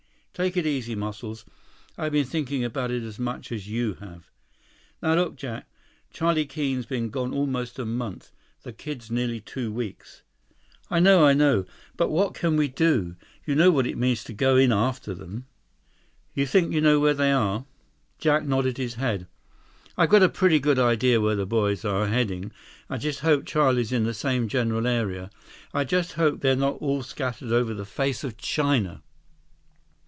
"Take it easy, Muscles. I've been thinking about it as much as you have." "Now look, Jack. Charlie Keene's been gone almost a month. The kids nearly two weeks." "I know. I know. But what can we do? You know what it means to go in after them." 102 "You think you know where they are?" Jack nodded his head. "I've got a pretty good idea where the boys are heading. I just hope Charlie's in the same general area. I just hope they're not all scattered over the face of China."